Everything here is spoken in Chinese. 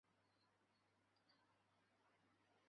天顺六年壬午科顺天乡试第一名。